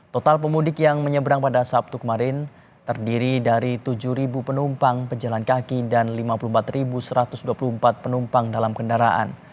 total pemudik yang menyeberang pada sabtu kemarin terdiri dari tujuh penumpang pejalan kaki dan lima puluh empat satu ratus dua puluh empat penumpang dalam kendaraan